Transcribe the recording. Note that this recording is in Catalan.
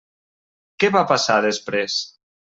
Què va passar després?